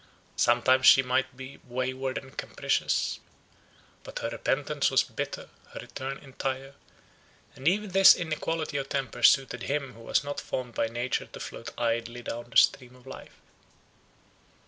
Sometimes she might be wayward and capricious; but her repentance was bitter, her return entire, and even this inequality of temper suited him who was not formed by nature to float idly down the stream of life.